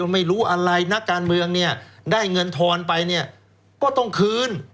ไม่รู้อะไรนักการเมืองเนี่ยได้เงินทอนไปเนี่ยก็ต้องคืน